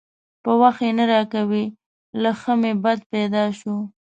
په وخت یې نه راکوي؛ له ښه مې بد پیدا شو.